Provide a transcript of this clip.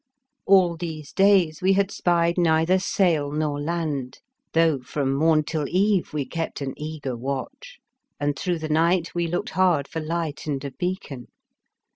All these days we had spied neither sail nor land, though from morn till eve we kept an eager watch, and through the night we looked hard for light and a beacon.